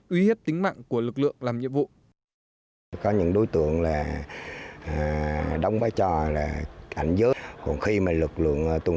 uy hiếp tính mạng của lực lượng làm nhiệm vụ